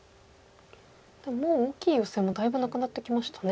でももう大きいヨセもだいぶなくなってきましたね。